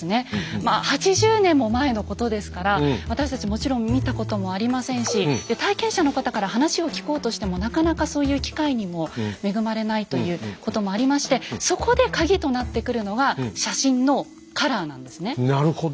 まあ８０年も前のことですから私たちもちろん見たこともありませんし体験者の方から話を聞こうとしてもなかなかそういう機会にも恵まれないということもありましてなるほど。